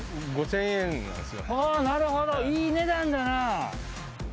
これ、なるほど、いい値段だな。